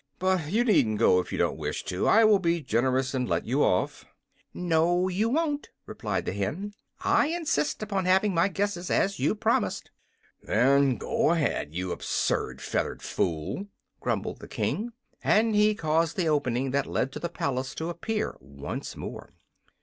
"But you needn't go if you don't wish to. I will be generous, and let you off." "No you won't," replied the hen. "I insist upon having my guesses, as you promised." "Then go ahead, you absurd feathered fool!" grumbled the King, and he caused the opening that led to the palace to appear once more.